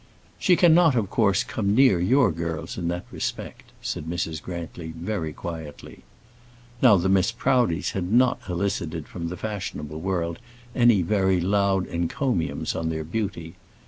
"She cannot, of course, come near your girls in that respect," said Mrs. Grantly, very quietly. Now the Miss Proudies had not elicited from the fashionable world any very loud encomiums on their beauty.